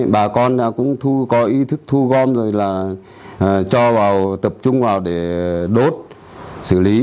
bà con cũng có ý thức thu gom rồi là cho vào tập trung vào để đốt xử lý